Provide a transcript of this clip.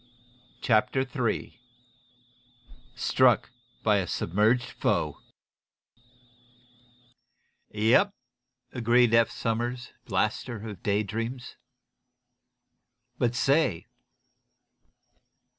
CHAPTER III STRUCK BY A SUBMERGED FOE "Yep!" agreed Eph Somers, blaster of day dreams. "But say?"